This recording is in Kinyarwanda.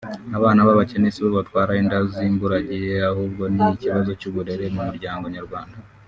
Abana b’abakene si bo batwara inda z’imburagihe ahubwo ni ikibazo cy’uburere mu muryango nyarwanda